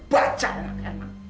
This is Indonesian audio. bercanda kan nek